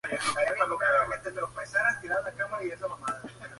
Estuvo afiliado al Partido Conservador, donde fue dirigente en el Valle de Albaida.